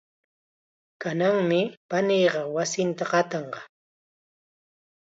Kananmi paniiqa wasinta qatanqa.